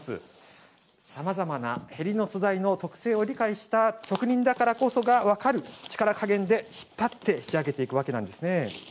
さまざまな縁の素材の特性を理解した職人だからこそが分かる力加減で引っ張って仕上げていくわけなんですね。